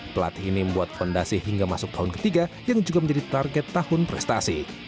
pelatih ini membuat fondasi hingga masuk tahun ketiga yang juga menjadi target tahun prestasi